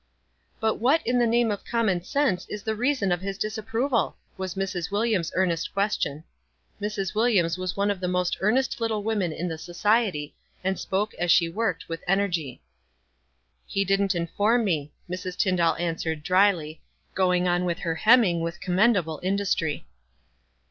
^"But what in the name of common sense is the reason of his disapproval?" was Mrs. Wil liams' earnest question. Mrs. Williams was one of the most earnest little women in the society, and spoke, as she worked, with energy. 48 WISE 4JSD OTHERWISE. "He didn't inform me," Mrs. Tyndall an swered, dryly, going on with her hemming with commendable industry.